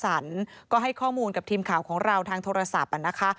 ส่วนนครบาลมักกะสันก็ให้ข้อมูลกับทีมข่าวของเราทางโทรศัพท์